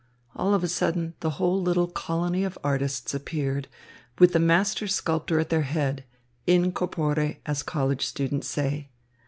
All of a sudden the whole little colony of artists appeared, with the master sculptor at their head in corpore, as college students say.